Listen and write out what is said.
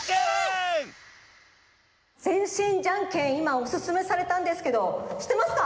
全身じゃんけんいまおすすめされたんですけどしってますか？